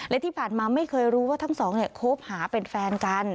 และที่ผ่านมาไม่เคยรู้ว่าทั้งสองคบหาเป็นแฟนกัน